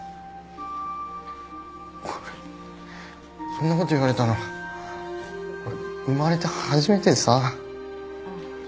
そんなこと言われたの俺生まれて初めてでさ。